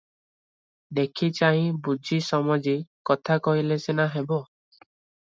ଦେଖି ଚାହିଁ ବୁଝି ସମଜି କଥା କହିଲେ ସିନା ହେବ ।